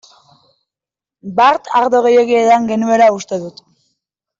Bart ardo gehiegi edan genuela uste dut.